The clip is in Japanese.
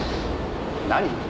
何？